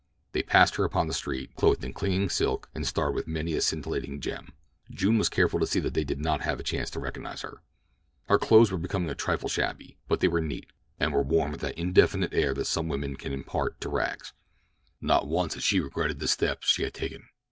They passed her upon the street, clothed in clinging silk and starred with many a scintillating gem. June was careful to see that they did not have a chance to recognize her. Her clothes were becoming a trifle shabby; but they were neat, and were worn with that indefinable air that some women can impart to rags. Not once yet had she regretted the step she had taken.